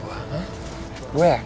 udah dua jam